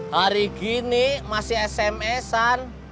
hari gini masih sms an